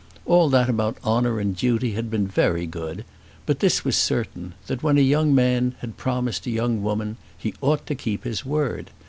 All that about honour and duty had been very good; but this was certain, that when a young man had promised a young woman he ought to keep his word.